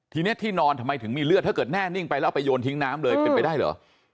ทีนี้ที่นอนทำไมถึงมีเลือดถ้าเกิดแน่นิ่งไปแล้วเอาไปโยนทิ้งน้ำเลยเป็นไปได้เหรอ